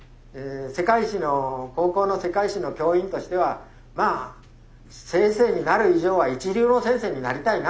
世界史の高校の世界史の教員としてはまあ先生になる以上は一流の先生になりたいな。